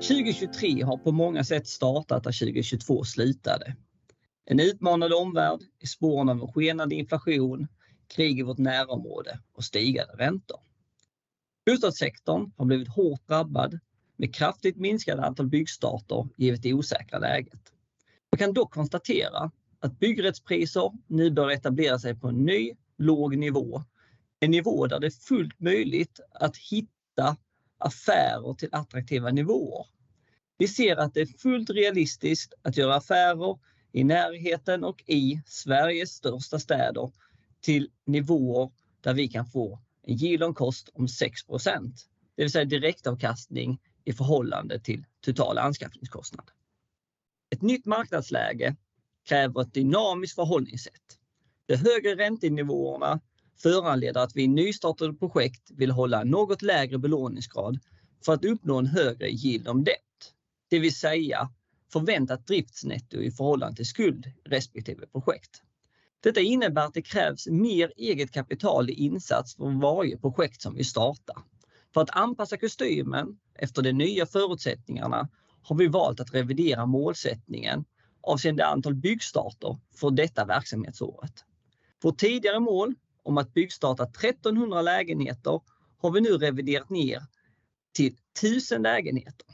2023 har på många sätt startat där 2022 slutade. En utmanande omvärld i spåren av en skenande inflation, krig i vårt närområde och stigande räntor. Bostadssektorn har blivit hårt drabbad med kraftigt minskade antal byggstarter givet det osäkra läget. Jag kan dock konstatera att byggrättspriser nu bör etablera sig på en ny låg nivå. En nivå där det är fullt möjligt att hitta affärer till attraktiva nivåer. Vi ser att det är fullt realistiskt att göra affärer i närheten och i Sverige största städer till nivåer där vi kan få en yield on cost om 6%. Det vill säga direktavkastning i förhållande till totala anskaffningskostnad. Ett nytt marknadsläge kräver ett dynamiskt förhållningssätt. Det högre räntenivåerna föranleder att vi i nystartade projekt vill hålla något lägre belåningsgrad för att uppnå en högre yield on debt. Det vill säga förväntat driftsnetto i förhållande till skuld i respektive projekt. Detta innebär att det krävs mer eget kapital i insats för varje projekt som vi startar. För att anpassa kostymen efter de nya förutsättningarna har vi valt att revidera målsättningen avseende antal byggstarter för detta verksamhetsåret. Vårt tidigare mål om att byggstarta 1,300 lägenheter har vi nu reviderat ner till 1,000 lägenheter.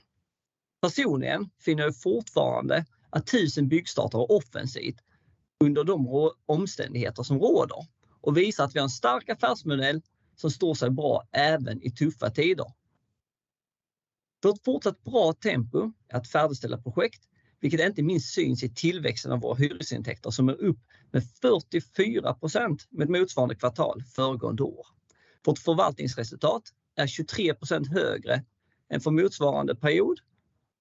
Personligen finner jag fortfarande att 1,000 byggstarter är offensivt under de omständigheter som råder och visar att vi har en stark affärsmodell som står sig bra även i tuffa tider. För ett fortsatt bra tempo att färdigställa projekt, vilket inte minst syns i tillväxten av våra hyresintäkter som är upp med 44% med ett motsvarande kvartal föregående år. Vårt förvaltningsresultat är 23% högre än för motsvarande period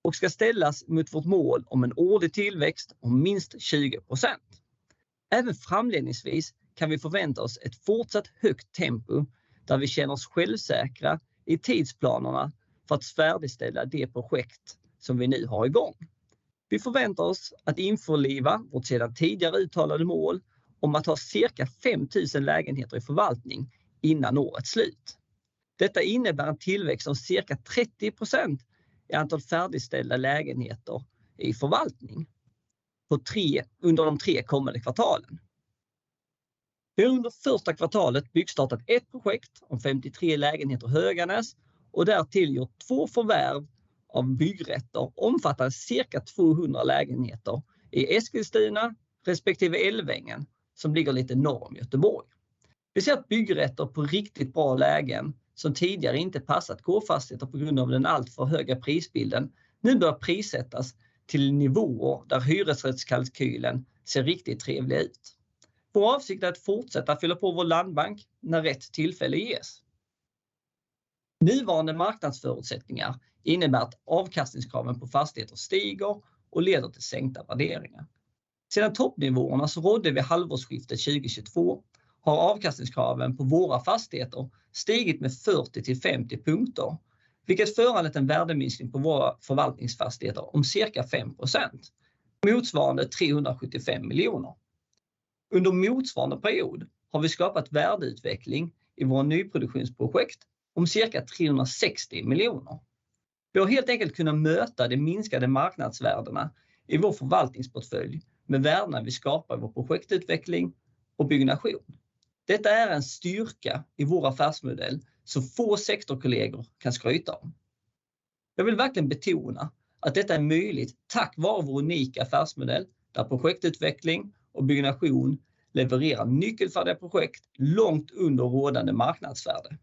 och ska ställas mot vårt mål om en årlig tillväxt om minst 20%. Framledningsvis kan vi förvänta oss ett fortsatt högt tempo där vi känner oss självsäkra i tidsplanerna för att färdigställa det projekt som vi nu har i gång. Vi förväntar oss att införliva vårt sedan tidigare uttalade mål om att ha cirka 5,000 lägenheter i förvaltning innan årets slut. Detta innebär en tillväxt om cirka 30% i antal färdigställda lägenheter i förvaltning under de tre kommande kvartalen. Vi har under första kvartalet byggstartat ett projekt om 53 lägenheter i Höganäs och därtill gjort två förvärv av byggrätter omfattas av cirka 200 lägenheter i Eskilstuna, respektive Älvängen, som ligger lite norr om Göteborg. Vi ser att byggrätter på riktigt bra lägen som tidigare inte passat K-Fastigheter på grund av den alltför höga prisbilden, nu bör prissättas till nivåer där hyresrättskalkylen ser riktigt trevlig ut. Vår avsikt är att fortsätta fylla på vår landbank när rätt tillfälle ges. Nuvarande marknadsförutsättningar innebär att avkastningskraven på fastigheter stiger och leder till sänkta värderingar. Sedan toppnivåerna som rådde vid halvårsskiftet 2022 har avkastningskraven på våra fastigheter stigit med 40-50 punkter, vilket föranledde en värdeminskning på våra förvaltningsfastigheter om cirka 5%. Motsvarande 375 million. Under motsvarande period har vi skapat värdeutveckling i vår nyproduktionsprojekt om cirka 360 million. Vi har helt enkelt kunnat möta de minskade marknadsvärdena i vår förvaltningsportfölj med värdena vi skapar i vår projektutveckling och byggnation. Detta är en styrka i vår affärsmodell som få sektorkollegor kan skryta om. Jag vill verkligen betona att detta är möjligt tack vare vår unika affärsmodell där projektutveckling och byggnation levererar nyckelfärdiga projekt långt under rådande marknadsvärde.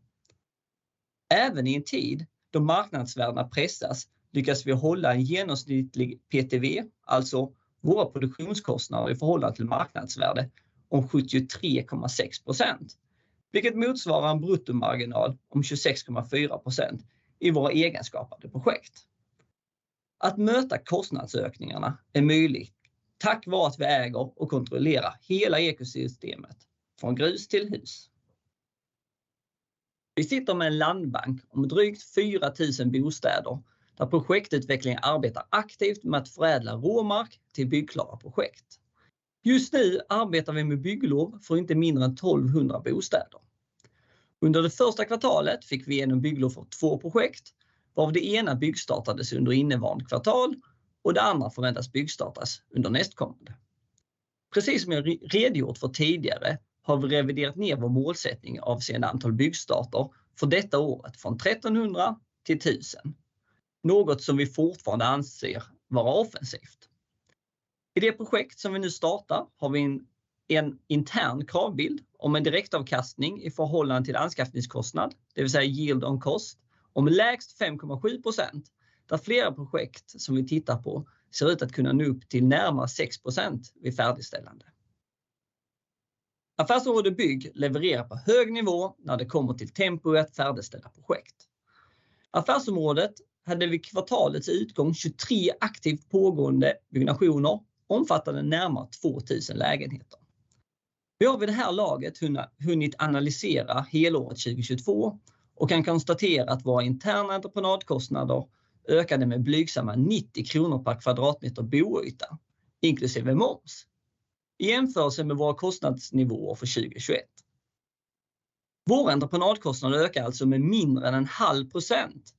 Även i en tid då marknadsvärdena pressas, lyckas vi hålla en genomsnittlig PTV, alltså våra produktionskostnader i förhållande till marknadsvärde om 73.6%, vilket motsvarar en bruttomarginal om 26.4% i våra egenskapade projekt. Att möta kostnadsökningarna är möjligt tack vare att vi äger och kontrollerar hela ekosystemet från grus till hus. Vi sitter med en landbank om drygt 4,000 bostäder där projektutvecklingen arbetar aktivt med att förädla råmark till byggklara projekt. Just nu arbetar vi med bygglov för inte mindre än 1,200 bostäder. Under det första kvartalet fick vi igenom bygglov för two projekt, varav det ena byggstartades under innevarande kvartal och det andra förväntas byggstartas under nästkommande. Precis som jag redogjort för tidigare har vi reviderat ner vår målsättning avseende antal byggstarter för detta året från 1,300 till 1,000. Något som vi fortfarande anser vara offensivt. I det projekt som vi nu startar har vi en intern kravbild om en direktavkastning i förhållande till anskaffningskostnad, det vill säga yield on cost, om lägst 5.7%. Där flera projekt som vi tittar på ser ut att kunna nå upp till närmare 6% vid färdigställande. Affärsområde Bygg levererar på hög nivå när det kommer till tempo i att färdigställa projekt. Affärsområdet hade vid kvartalets utgång 23 aktivt pågående byggnationer omfattande närmare 2,000 lägenheter. Vi har vid det här laget hunnit analysera helåret 2022 och kan konstatera att våra interna entreprenadkostnader ökade med blygsamma 90 kronor per kvadratmeter boyta, inklusive moms. I jämförelse med våra kostnadsnivåer för 2021. Vår entreprenadkostnad ökar alltså med mindre än a half percent.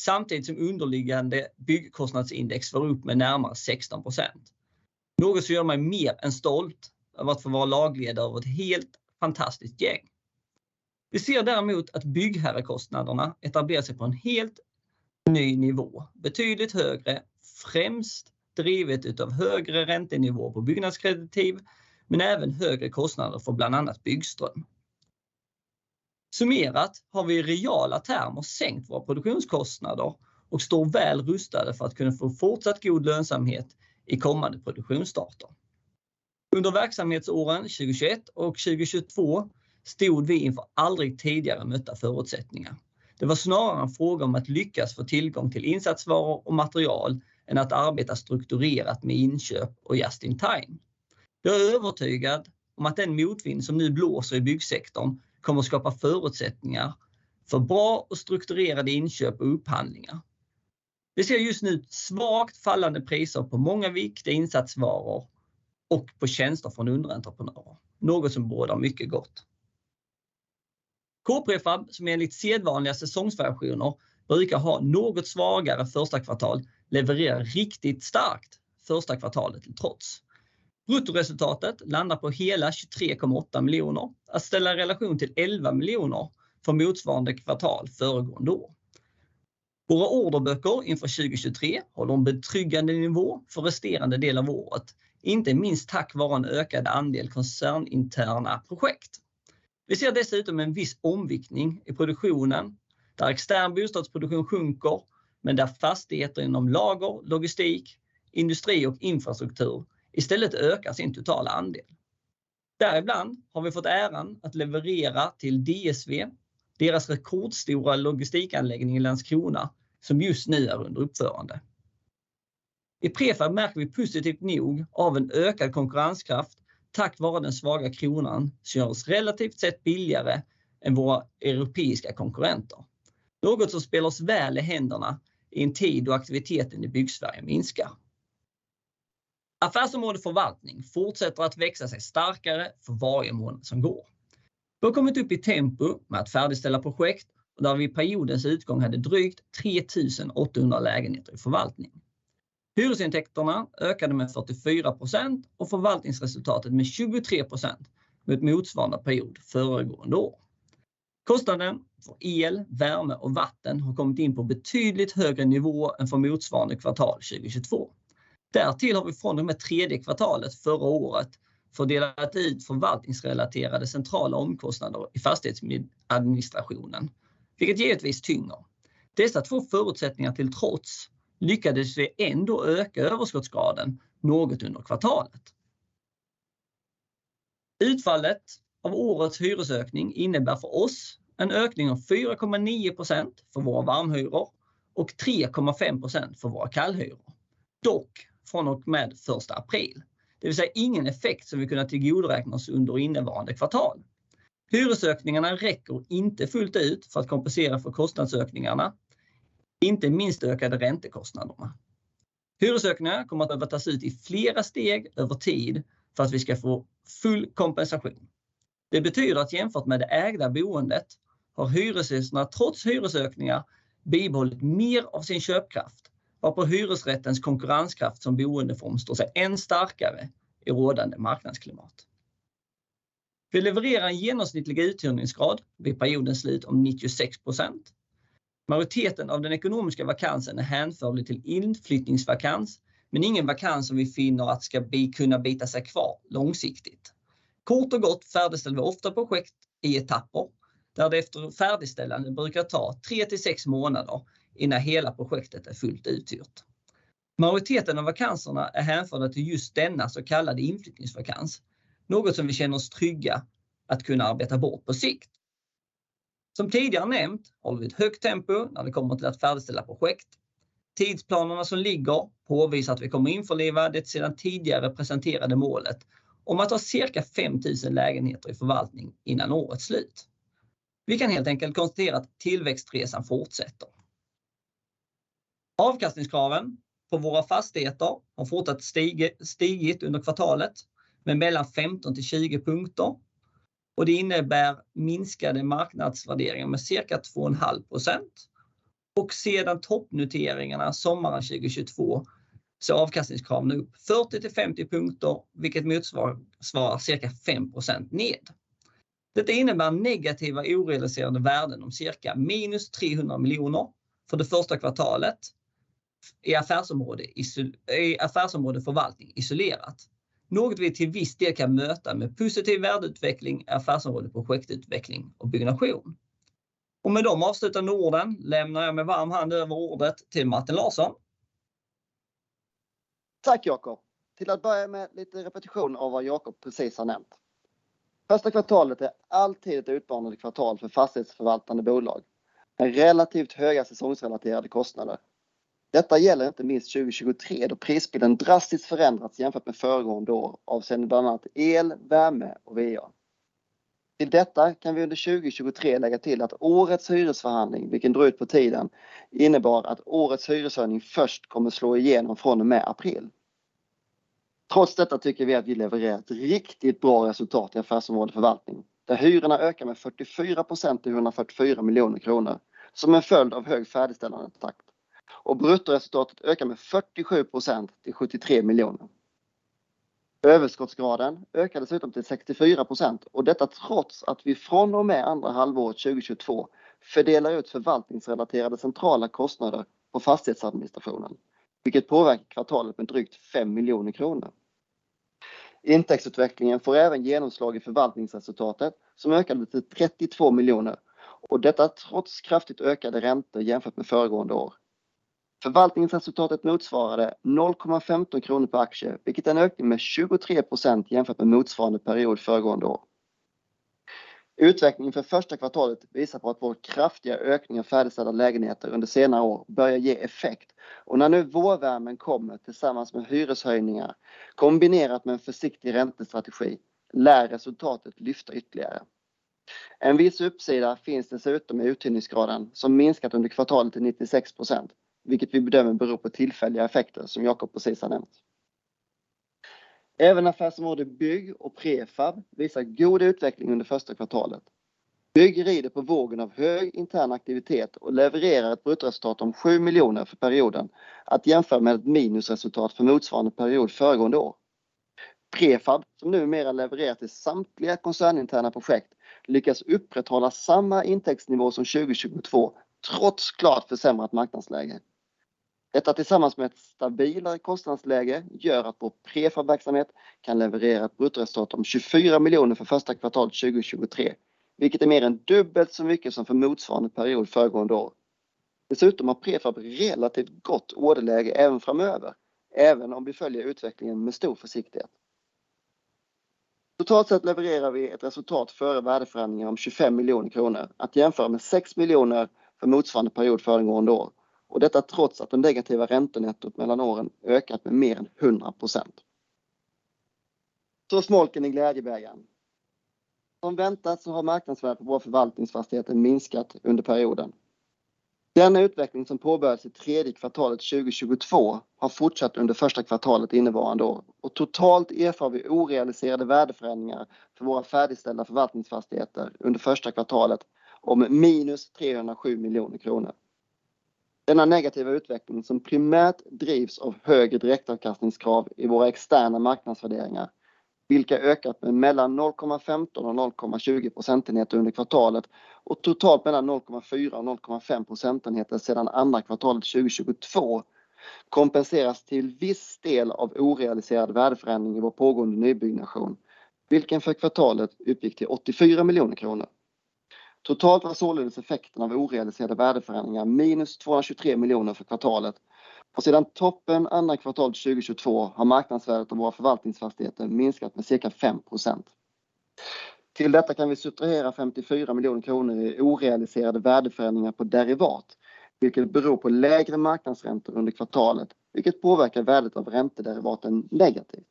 Samtidigt som underliggande byggkostnadsindex var upp med närmare 16%. Något som gör mig mer än stolt över att få vara lagledare över ett helt fantastiskt gäng. Vi ser däremot att byggherre kostnaderna etablerar sig på en helt ny nivå, betydligt högre, främst drivet ut av högre räntenivå på byggnadskreditiv, men även högre kostnader för bland annat byggström. Summerat har vi i reala termer sänkt våra produktionskostnader och står väl rustade för att kunna få fortsatt god lönsamhet i kommande produktionsstarter. Under verksamhetsåren 2021 och 2022 stod vi inför aldrig tidigare mötta förutsättningar. Det var snarare en fråga om att lyckas få tillgång till insatsvaror och material än att arbeta strukturerat med inköp och just in time. Jag är övertygad om att den motvind som nu blåser i byggsektorn kommer skapa förutsättningar för bra och strukturerade inköp och upphandlingar. Vi ser just nu svagt fallande priser på många viktiga insatsvaror och på tjänster från underentreprenörer. Något som bådar mycket gott. K-Prefab, som enligt sedvanliga säsongsvariationer brukar ha något svagare första kvartal, levererar riktigt starkt första kvartalet trots. Bruttoresultatet landar på hela 23.8 million. Att ställa i relation till 11 million för motsvarande kvartal föregående år. Våra orderböcker inför 2023 håller en betryggande nivå för resterande del av året, inte minst tack vare en ökad andel koncerninterna projekt. Vi ser dessutom en viss omviktning i produktionen där extern bostadsproduktion sjunker, men där fastigheter inom lager, logistik, industri och infrastruktur istället ökar sin totala andel. Däribland har vi fått äran att leverera till DSV deras rekordstora logistikanläggning i Landskrona som just nu är under uppförande. I prefab märker vi positivt nog av en ökad konkurrenskraft tack vare den svaga kronan som gör oss relativt sett billigare än våra europeiska konkurrenter. Något som spelar oss väl i händerna i en tid då aktiviteten i Byggsverige minskar. Affärsområdet förvaltning fortsätter att växa sig starkare för varje månad som går. Vi har kommit upp i tempo med att färdigställa projekt och där vi periodens utgång hade drygt 3,800 lägenheter i förvaltning. Hyresintäkterna ökade med 44% och förvaltningsresultatet med 23% med ett motsvarande period föregående år. Kostnaden för el, värme och vatten har kommit in på betydligt högre nivå än för motsvarande kvartal 2022. Därtill har vi från och med third quarter förra året fördelat ut förvaltningsrelaterade centrala omkostnader i fastighetsadministrationen, vilket givetvis tynger. Dessa två förutsättningar till trots lyckades vi ändå öka överskottsgraden något under kvartalet. Utfallet av årets hyresökning innebär för oss en ökning om 4.9% för våra varmhyror och 3.5% för våra kallhyror. Dock från och med April 1. Det vill säga ingen effekt som vi kunna tillgodoräknas under innevarande kvartal. Hyresökningarna räcker inte fullt ut för att kompensera för kostnadsökningarna, inte minst ökade räntekostnaderna. Hyresökningarna kommer att behöva tas ut i flera steg över tid för att vi ska få full kompensation. Det betyder att jämfört med det ägda boendet har hyresgästerna trots hyresökningar bibehållit mer av sin köpkraft, varpå hyresrättens konkurrenskraft som boendeform står sig än starkare i rådande marknadsklimat. Vi levererar en genomsnittlig uthyrningsgrad vid periodens slut om 96%. Majoriteten av den ekonomiska vakansen är hänförlig till inflyttningsvakans, men ingen vakans som vi finner att ska kunna bita sig kvar långsiktigt. Kort och gott färdigställer vi ofta projekt i etapper, där det efter färdigställande brukar ta 3-6 månader innan hela projektet är fullt uthyrt. Majoriteten av vakanserna är hänförda till just denna så kallade inflyttningsvakans. Något som vi känner oss trygga att kunna arbeta bort på sikt. Som tidigare nämnt håller vi ett högt tempo när det kommer till att färdigställa projekt. Tidsplanerna som ligger påvisar att vi kommer införliva det sedan tidigare presenterade målet om att ha cirka 5,000 lägenheter i förvaltning innan årets slut. Vi kan helt enkelt konstatera att tillväxtresan fortsätter. Avkastningskraven på våra fastigheter har fortsatt stigit under kvartalet med mellan 15-20 punkter. Det innebär minskade marknadsvärderingar med cirka 2.5%. Sedan toppnoteringarna sommaren 2022 så avkastningskraven nu upp 40-50 punkter, vilket motsvarar cirka 5% ned. Detta innebär negativa orealiserade värden om cirka minus 300 million för det första kvartalet i affärsområde förvaltning isolerat. Något vi till viss del kan möta med positiv värdeutveckling, affärsområde projektutveckling och byggnation. Med de avslutande orden lämnar jag med varm hand över ordet till Martin Larsson. Tack Jakob. Till att börja med lite repetition av vad Jakob precis har nämnt. Första kvartalet är alltid ett utmanande kvartal för fastighetsförvaltande bolag. Med relativt höga säsongsrelaterade kostnader. Detta gäller inte minst 2023, då prispilen drastiskt förändrats jämfört med föregående år avseende bland annat el, värme och VA. Till detta kan vi under 2023 lägga till att årets hyresförhandling, vilken drog ut på tiden, innebar att årets hyreshöjning först kommer slå igenom från och med april. Trots detta tycker vi att vi levererar ett riktigt bra resultat i affärsområde förvaltning, där hyrorna ökar med 44% till 144 million kronor som en följd av hög färdigställandetakt. Bruttoresultatet ökar med 47% till 73 million. Överskottsgraden ökar dessutom till 64% och detta trots att vi från och med andra halvåret 2022 fördelar ut förvaltningsrelaterade centrala kostnader på fastighetsadministrationen, vilket påverkar kvartalet med drygt 5 million kronor. Intäktsutvecklingen får även genomslag i förvaltningsresultatet som ökade till 32 million, detta trots kraftigt ökade räntor jämfört med föregående år. Förvaltningsresultatet motsvarade 0.15 kronor på aktier, vilket är en ökning med 23% jämfört med motsvarande period föregående år. Utvecklingen för första kvartalet visar på att vår kraftiga ökning av färdigställda lägenheter under senare år börjar ge effekt. När nu vårvärmen kommer tillsammans med hyreshöjningar kombinerat med en försiktig räntestrategi, lär resultatet lyfta ytterligare. En viss uppsida finns dessutom i uthyrningsgraden som minskat under kvartalet till 96%, vilket vi bedömer beror på tillfälliga effekter som Jacob precis har nämnt. Även affärsområde bygg och prefab visar god utveckling under första kvartalet. Bygg rider på vågen av hög intern aktivitet och levererar ett bruttoresultat om 7 million för perioden. Att jämföra med ett minusresultat för motsvarande period föregående år. K-Prefab, som numera levererar till samtliga koncerninterna projekt, lyckas upprätthålla samma intäktsnivå som 2022, trots klart försämrat marknadsläge. Detta tillsammans med ett stabilare kostnadsläge gör att vår prefabverksamhet kan leverera ett bruttoresultat om 24 million för första kvartal 2023, vilket är mer än dubbelt så mycket som för motsvarande period föregående år. Dessutom har K-Prefab relativt gott orderläge även framöver, även om vi följer utvecklingen med stor försiktighet. Totalt sett levererar vi ett resultat före värdeförändringar om 25 million kronor att jämföra med 6 million för motsvarande period föregående år. Detta trots att den negativa räntenettot mellan åren ökat med mer än 100%. Smolken i glädjebägaren. Som väntat så har marknadsvärdet på våra förvaltningsfastigheter minskat under perioden. Denna utveckling som påbörjades i tredje kvartalet 2022 har fortsatt under första kvartalet innevarande år och totalt erfar vi orealiserade värdeförändringar för våra färdigställda förvaltningsfastigheter under första kvartalet om -307 million kronor. Denna negativa utveckling som primärt drivs av högre direktavkastningskrav i våra externa marknadsvärderingar, vilka ökat med mellan 0.15 and 0.20 percentage points under kvartalet och totalt mellan 0.4 and 0.5 percentage points sedan andra kvartalet 2022 kompenseras till viss del av orealiserad värdeförändring i vår pågående nybyggnation, vilken för kvartalet uppgick till 84 million kronor. Totalt var således effekten av orealiserade värdeförändringar -223 million för kvartalet. Sedan toppen andra kvartal 2022 har marknadsvärdet av våra förvaltningsfastigheter minskat med approximately 5%. Till detta kan vi subtrahera 54 million kronor i orealiserade värdeförändringar på derivat, vilket beror på lägre marknadsräntor under kvartalet, vilket påverkar värdet av räntederivaten negativt.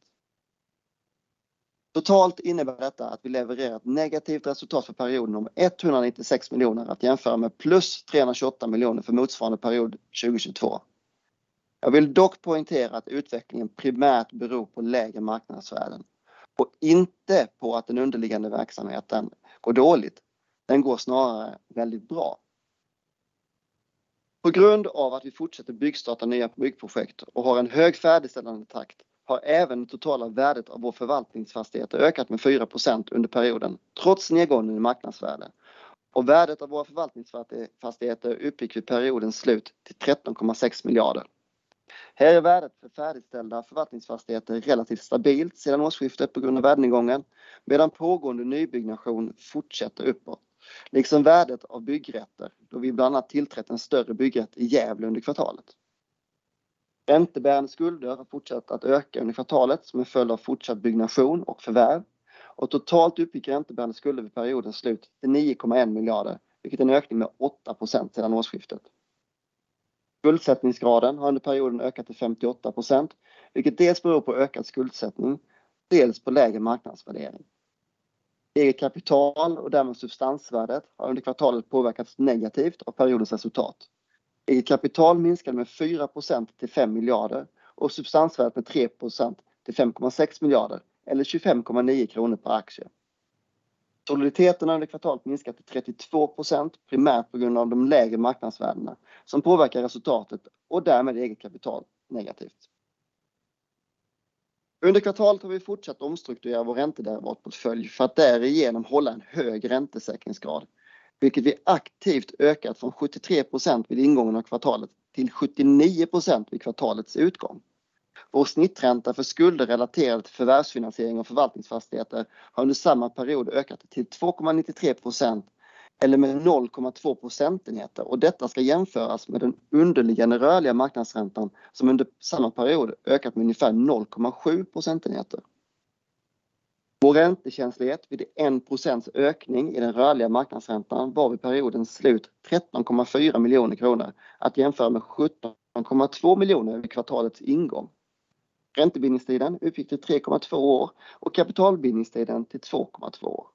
Totalt innebär detta att vi levererar ett negativt resultat för perioden om 196 million att jämföra med +328 million för motsvarande period 2022. Jag vill dock poängtera att utvecklingen primärt beror på lägre marknadsvärden och inte på att den underliggande verksamheten går dåligt. Den går snarare väldigt bra. På grund av att vi fortsätter byggstarta nya byggprojekt och har en hög färdigställandetakt har även det totala värdet av vår förvaltningsfastigheter ökat med 4% under perioden, trots nedgången i marknadsvärde. Värdet av våra förvaltningsfastigheter uppgick vid periodens slut till 13.6 billion. Här är värdet för färdigställda förvaltningsfastigheter relativt stabilt sedan årsskiftet på grund av värdeningången, medan pågående nybyggnation fortsätter uppåt, liksom värdet av byggrätter, då vi bland annat tillträtt en större byggrätt i Gävle under kvartalet. Räntebärande skulder har fortsatt att öka under kvartalet som en följd av fortsatt byggnation och förvärv. Totalt uppgick räntebärande skulder vid periodens slut till 9.1 billion, vilket är en ökning med 8% sedan årsskiftet. Skuldsättningsgraden har under perioden ökat till 58%, vilket dels beror på ökad skuldsättning, dels på lägre marknadsvärdering. Eget kapital och därmed substansvärdet har under kvartalet påverkats negativt av periodens resultat. Eget kapital minskade med 4% till 5 billion och substansvärdet med 3% till 5.6 billion eller 25.9 kronor per aktie. Soliditeten under kvartalet minskat till 32%, primärt på grund av de lägre marknadsvärdena som påverkar resultatet och därmed eget kapital negativt. Under kvartalet har vi fortsatt omstrukturera vår räntederivatportfölj för att därigenom hålla en hög räntesäkringsgrad, vilket vi aktivt ökat från 73% vid ingången av kvartalet till 79% vid kvartalets utgång. Vår snittränta för skulder relaterat till förvärvsfinansiering av förvaltningsfastigheter har under samma period ökat till 2.93% eller med 0.2 percentage points. Detta ska jämföras med den underliggande rörliga marknadsräntan som under samma period ökat med ungefär 0.7 percentage points. Vår räntekänslighet vid 1% ökning i den rörliga marknadsräntan var vid periodens slut 13.4 million kronor att jämföra med 17.2 million vid kvartalets ingång. Räntebindningstiden uppgick till 3.2 years och kapitalbindningstiden till 2.2 years.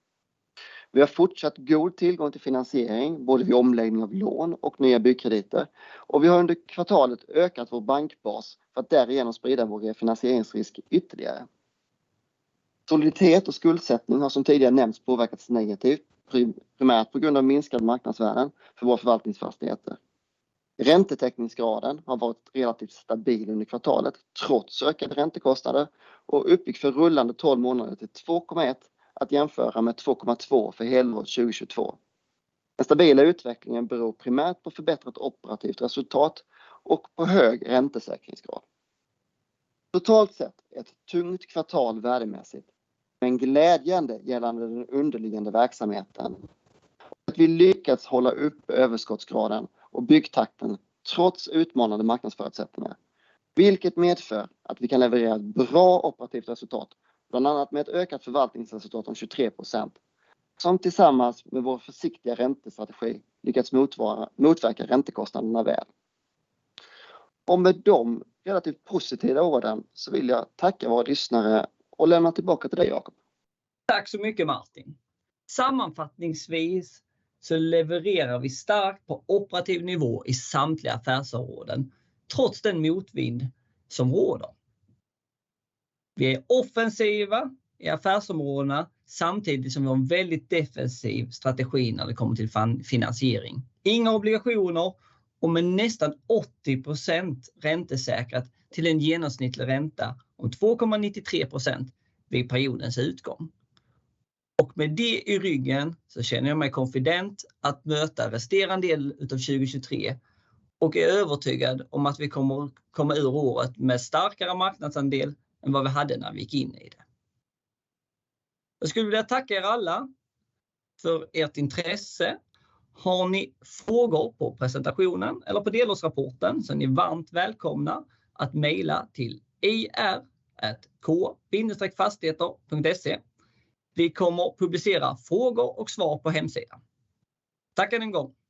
Vi har fortsatt god tillgång till finansiering, både vid omläggning av lån och nya byggkrediter. Vi har under kvartalet ökat vår bankbas för att därigenom sprida vår finansieringsrisk ytterligare. Soliditet och skuldsättning har som tidigare nämnts påverkats negativt, primärt på grund av minskade marknadsvärden för vår förvaltningsfastigheter. Räntetäckningsgraden har varit relativt stabil under kvartalet, trots ökade räntekostnader och uppgick för rullande 12 månader till 2.1 att jämföra med 2.2 för helåret 2022. Den stabila utvecklingen beror primärt på förbättrat operativt resultat och på hög räntesäkringsgrad. Totalt sett ett tungt kvartal värdemässigt, men glädjande gällande den underliggande verksamheten. Att vi lyckats hålla uppe överskottsgraden och byggtakten trots utmanande marknadsförutsättningar, vilket medför att vi kan leverera ett bra operativt resultat, bland annat med ett ökat förvaltningsresultat om 23%. Tillsammans med vår försiktiga räntestrategi lyckats motverka räntekostnaderna väl. Med de relativt positiva orden så vill jag tacka våra lyssnare och lämna tillbaka till dig Jakob. Tack så mycket, Martin. Sammanfattningsvis så levererar vi starkt på operativ nivå i samtliga affärsområden trots den motvind som råder. Vi är offensiva i affärsområdena samtidigt som vi har en väldigt defensiv strategi när det kommer till fan-finansiering. Inga obligationer och med nästan 80% räntesäkrat till en genomsnittlig ränta om 2.93% vid periodens utgång. Med det i ryggen så känner jag mig confident att möta resterande del av 2023 och är övertygad om att vi kommer komma ur året med starkare marknadsandel än vad vi hade när vi gick in i det. Jag skulle vilja tacka er alla för ert intresse. Har ni frågor på presentationen eller på delårsrapporten så är ni varmt välkomna att email till ir@k-fastigheter.se. Vi kommer publicera frågor och svar på hemsidan. Tack än en gång!